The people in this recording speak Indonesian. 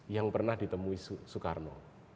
yang pernah ditemui soekarno